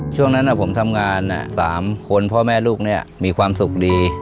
ช่วงนั้นผมทำงาน๓คนพ่อแม่ลูกเนี่ยมีความสุขดี